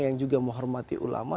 yang juga menghormati ulama